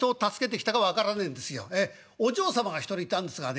お嬢様が１人いたんですがね